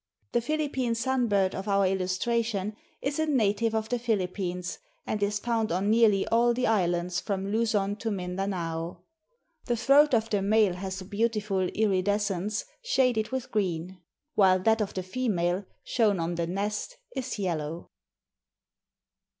The Philippine Sun bird of our illustration is a native of the Philippines and is found on nearly all the islands from Luzon to Mindanao. The throat of the male has a beautiful iridescence shaded with green, while that of the female, shown on the nest, is yellow.